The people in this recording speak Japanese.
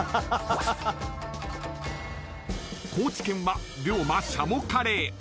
［高知県は龍馬軍鶏カレー］